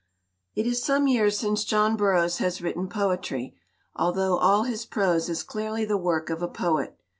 It is some years since John Burroughs has written poetry, although all his prose is clearly the work of a poet.